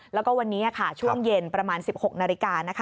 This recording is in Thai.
แล้วก็วันนี้ช่วงเย็นประมาณ๑๖นาฬิกา